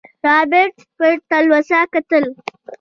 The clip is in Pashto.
رابرټ په تلوسه کتل.